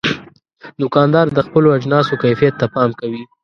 دوکاندار د خپلو اجناسو کیفیت ته پام کوي.